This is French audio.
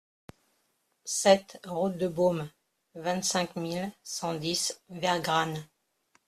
sept route de Baume, vingt-cinq mille cent dix Vergranne